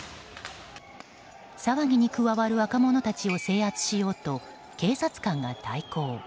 騒ぎに加わる若者たちを制圧しようと警察官が対抗。